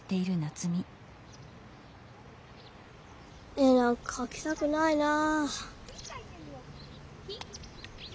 絵なんかかきたくないなあ。